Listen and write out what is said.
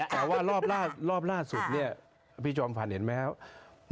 แต่ว่ารอบล่าสุดพี่จอมพันธ์เห็นไหมครับ